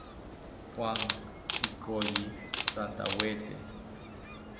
Juan ikoyi rantawete